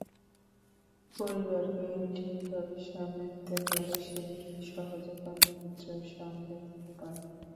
পরিবারকে ঠিকভাবে সামলে নিতে পারলে সেই নারী সহজে কর্মক্ষেত্রও সামলে নিতে পারবেন।